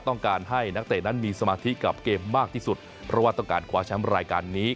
ต้องการให้นักเตะนั้นมีสมาธิกับเกมมากที่สุดเพราะว่าต้องการคว้าแชมป์รายการนี้